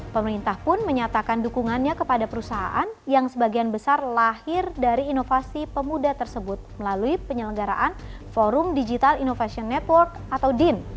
pemerintah pun menyatakan dukungannya kepada perusahaan yang sebagian besar lahir dari inovasi pemuda tersebut melalui penyelenggaraan forum digital innovation network atau din